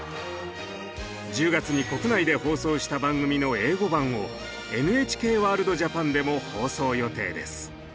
１０月に国内で放送した番組の英語版を「ＮＨＫワールドＪＡＰＡＮ」でも放送予定です。